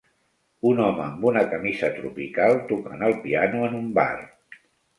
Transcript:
Un home amb una camisa tropical tocant el piano en un bar.